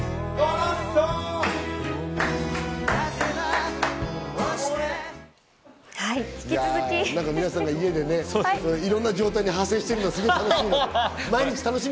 皆さんが家でね、いろんな状態に派生しているのが楽しみ！